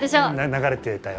流れてたよ！